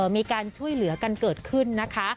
มีการช่วยเหลือกันเกิดขึ้นนะคะ